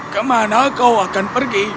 kemana kau akan pergi